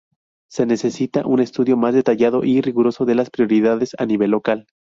Se necesita un estudio más detallado y riguroso de las prioridades a nivel local.